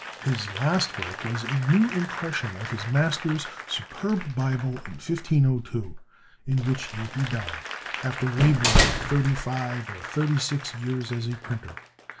His last work was a new impression of his master's superb Bible in 1502, in which year he died, after laboring thirty five or thirty six years as a printer.